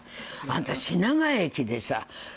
あんた品川駅でさ。